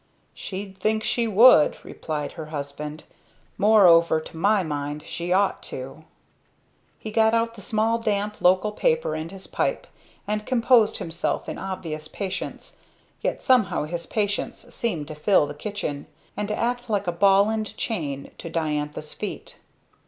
"Sh'd think she would," replied her husband. "Moreover to my mind she ought to." He got out the small damp local paper and his pipe, and composed himself in obvious patience: yet somehow this patience seemed to fill the kitchen, and to act like a ball and chain to Diantha's feet.